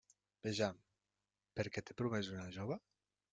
Vejam: per a què té promès una jove?